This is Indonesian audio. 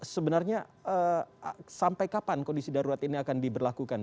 sebenarnya sampai kapan kondisi darurat ini akan diberlakukan